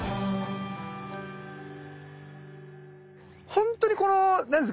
ほんとにこの何ですか